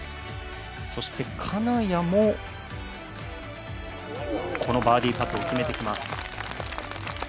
そして金谷もこのバーディーパットを決めてきます。